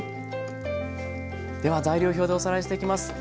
では材料表でおさらいしていきます。